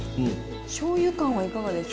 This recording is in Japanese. しょうゆ感はいかがですか？